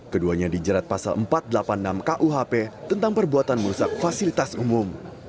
keduanya dijerat pasal empat ratus delapan puluh enam kuhp tentang perbuatan merusak fasilitas umum